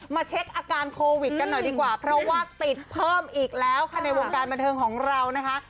เช็คอาการโควิดกันหน่อยดีกว่าเพราะว่าติดเพิ่มอีกแล้วค่ะในวงการบันเทิงของเรานะคะ